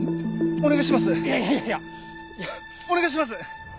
お願いします。